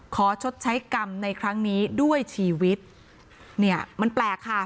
ชดใช้กรรมในครั้งนี้ด้วยชีวิตเนี่ยมันแปลกค่ะ